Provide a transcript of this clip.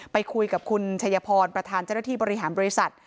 ไปคุยกับคุณชัยพรประธานเจ้าหน้าที่บริหารบริษัท